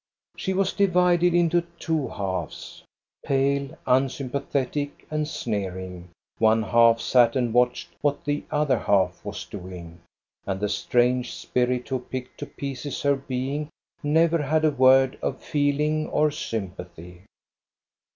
She was divided into two halves. Pale, unsympa thetic, and sneering, one half sat and watched what the other half was doing ; and the strange spirit who picked to pieces her being never had a word of feel ing or sympathy.